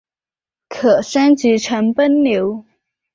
可升级成奔牛。